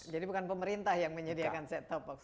jadi bukan pemerintah yang menyediakan set top box